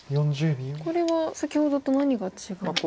これは先ほどと何が違うんですか？